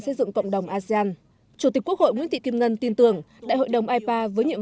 xây dựng cộng đồng asean chủ tịch quốc hội nguyễn thị kim ngân tin tưởng đại hội đồng ipa với nhiệm